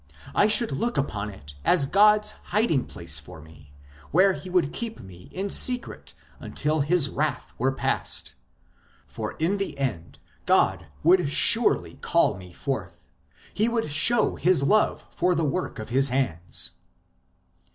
I should look upon it as God s hiding place for me, where He would keep me in secret until His wrath were past ; for in the end God would surely call me forth, He would show His love for the work of His hands."